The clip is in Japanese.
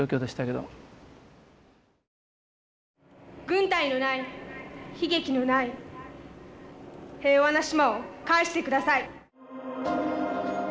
軍隊のない悲劇のない平和な島を返してください。